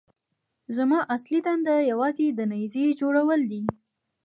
زما اصلي دنده یوازې د نيزې جوړول دي.